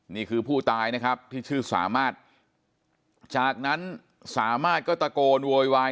นี่คือผู้ตายนะครับที่ชื่อสามารถจากนั้นสามารถก็ตะโกนโวยวาย